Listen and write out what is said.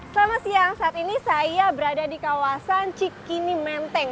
selamat siang saat ini saya berada di kawasan cikini menteng